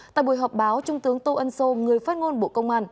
tại buổi họp báo trung tướng tô ân sô người phát ngôn bộ công an